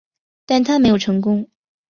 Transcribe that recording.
但它没有成功。